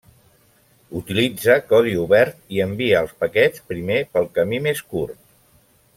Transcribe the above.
Utilitza codi obert i envia els paquets primer pel camí més curt.